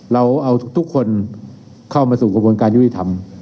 เราเอาทุกคนเข้ามาสู่กระบวนการยุติธรรม